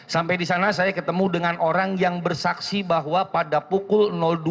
sampai di sana saya ketemu dengan orang yang bersaksi bahwa pada pukul dua